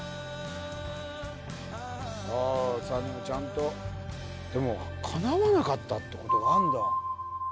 あちゃんとでもかなわなかったってことがあんだ